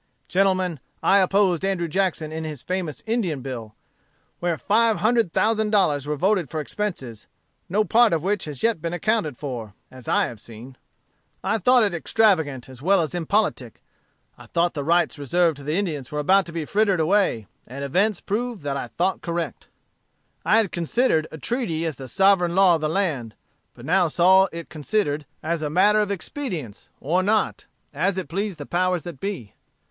"Gentlemen, I opposed Andrew Jackson in his famous Indian bill, where five hundred thousand dollars were voted for expenses, no part of which has yet been accounted for, as I have seen. I thought it extravagant as well as impolitic. I thought the rights reserved to the Indians were about to be frittered away; and events prove that I thought correct. "I had considered a treaty as the sovereign law of the land; but now saw it considered as a matter of expedience, or not, as it pleased the powers that be.